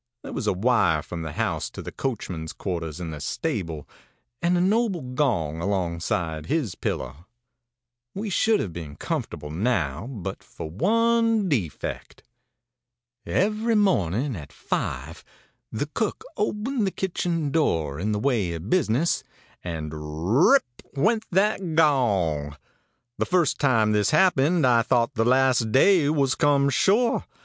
There was a wire from the house to the coachman's quarters in the stable, and a noble gong alongside his pillow. ãWe should have been comfortable now but for one defect. Every morning at five the cook opened the kitchen door, in the way of business, and rip went that gong! The first time this happened I thought the last day was come sure.